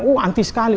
oh anti sekali